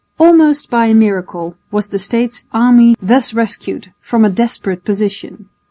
Almost by a miracle was the States' army thus rescued from a desperate position.